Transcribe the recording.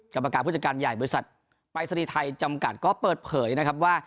กรรมการผู้จัดการใหญ่บริษัทปรายศนีย์ไทยจำกัดก็เปิดเผยนะครับว่า